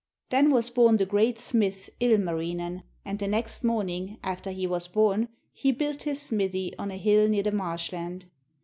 Then was born the great smith, Ilmarinen, and the next morning after he was born he built his smithy on a hill near the marshland.